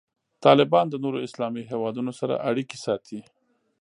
طالبان د نورو اسلامي هیوادونو سره اړیکې ساتي.